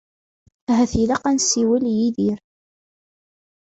Ahat ilaq ad nsiwel i Yidir.